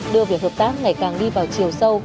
đưa việc hợp tác ngày càng đi vào chiều sâu